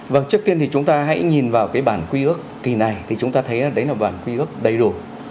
vâng trước tiên thì chúng ta hãy nhìn vào cái bản quy ước kỳ này thì chúng ta thấy đấy là bản quy ước đầy đủ